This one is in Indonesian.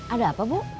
ada apa bu